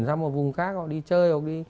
ra một vùng khác họ đi chơi